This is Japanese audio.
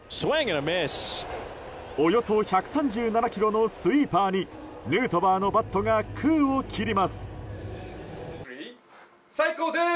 およそ１３７キロのスイーパーにヌートバーのバットが空を切ります。